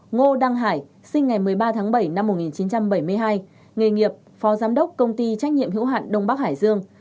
ngô đăng hải sinh ngày một mươi ba tháng bảy năm một nghìn chín trăm bảy mươi hai nghề nghiệp phó giám đốc công ty trách nhiệm hữu hạn đông bắc hải dương